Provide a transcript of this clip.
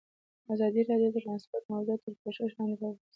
ازادي راډیو د ترانسپورټ موضوع تر پوښښ لاندې راوستې.